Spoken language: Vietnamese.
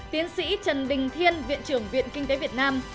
tiến sĩ trần đình thiên viện trưởng viện kinh tế việt nam